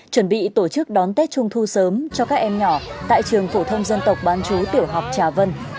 chuẩn bị tổ chức đón tết trung thu sớm cho các em nhỏ tại trường phổ thông dân tộc bán chú tiểu học trà vân